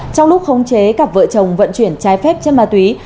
trong lúc khống chế cặp vợ chồng vận chuyển trái phép chất ma túy